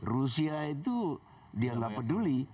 rusia itu dia nggak peduli